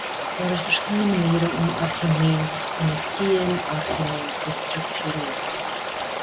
Daar is verskillende maniere om 'n argument- en 'n teenargument te struktureer.